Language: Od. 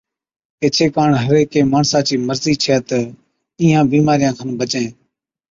ايڇي ڪاڻ هر هيڪي ماڻسا چِي مرضِي ڇَي تہ اِينهان بِيمارِيان بڇَين